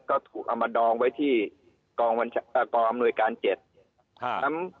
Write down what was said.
ก็ถูกเอามาดองไว้ที่กองบัญชาอ่ากองอำนวยการเจ็ดครับ